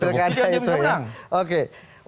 terbukti dan dia bisa menang